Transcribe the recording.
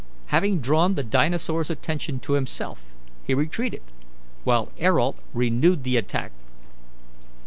Having drawn the dinosaur's attention to himself, he retreated, while Ayrault renewed the attack.